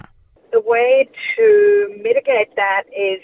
cara untuk memperbaiki itu adalah